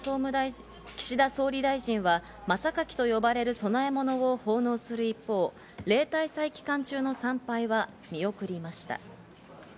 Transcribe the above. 岸田総理大臣は真榊と呼ばれる供物を奉納する一方、例大祭期間中の参拝は見送りました。